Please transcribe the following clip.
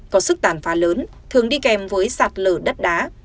có sức tàn phá lớn thường đi kèm với sạt lở đất đá